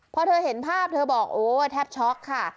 พอเธอเห็นภาพเธอบอกโอ้แทบช็อกค่ะ